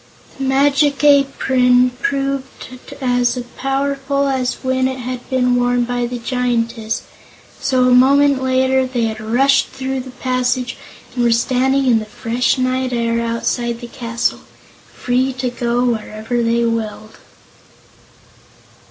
The Magic Apron proved as powerful as when it had been worn by the Giantess, so a moment later they had rushed through the passage and were standing in the fresh night air outside the castle, free to go wherever they willed.